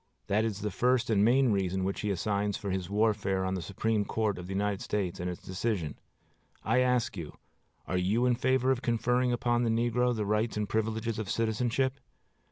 That is the first and main reason which he assigns for his warfare on the Supreme Court of the United States and its decision. I ask you, Are you in favor of conferring upon the negro the rights and privileges of citizenship?